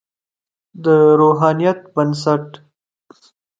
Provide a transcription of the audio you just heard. د روحانیت بنسټ.